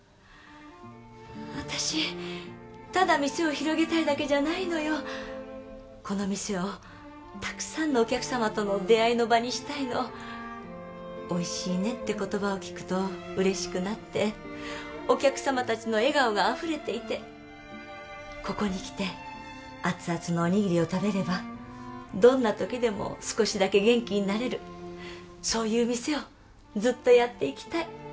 私ただ店を広げたいだけじゃないのよこの店をたくさんのお客様との出会いの場にしたいのおいしいねって言葉を聞くと嬉しくなってお客様達の笑顔があふれていてここに来て熱々のおにぎりを食べればどんな時でも少しだけ元気になれるそういう店をずっとやっていきたい